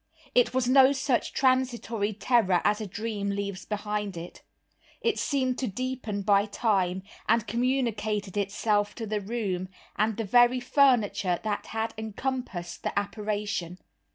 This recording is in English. It was no such transitory terror as a dream leaves behind it. It seemed to deepen by time, and communicated itself to the room and the very furniture that had encompassed the apparition.